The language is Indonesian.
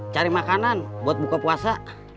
cari makanan buat buka puasa